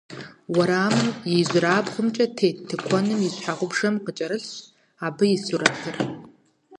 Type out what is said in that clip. Уэрамым и ижьрабгъумкӀэ тет тыкуэным и щхьэгъубжэм къыкӀэрылъщ абы и сурэтыр.